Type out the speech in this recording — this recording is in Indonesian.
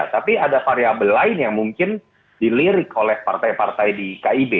tapi ada variable lain yang mungkin dilirik oleh partai partai di kib